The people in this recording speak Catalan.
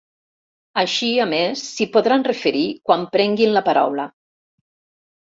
Així, a més, s'hi podran referir quan prenguin la paraula.